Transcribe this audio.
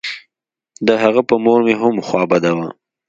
د هغه په مور مې هم خوا بده وه.